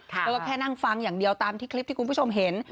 แล้วก็แค่นั่งฟังอย่างเดียวตามที่คลิปที่คุณผู้ชมเห็น